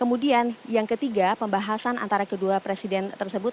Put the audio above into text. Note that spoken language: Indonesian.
dan juga indo pasifik kemudian yang ketiga pembahasan antara kedua presiden tersebut